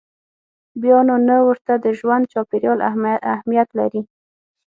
بیا نو نه ورته د ژوند چاپېریال اهمیت لري.